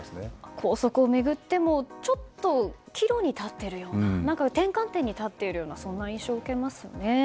校則を巡ってもちょっと岐路に立っているような転換点に立っているような印象を受けますよね。